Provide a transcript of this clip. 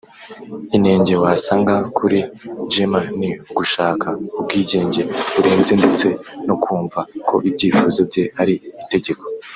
Inenge wasanga kuri Gemma ni ugushaka ubwigenge burenze ndetse no kumva ko ibyifuzo bye ari itegeko